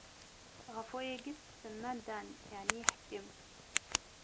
Ɣef wayagi i s-tsemma Dan, yeɛni iḥkem.